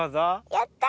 やった！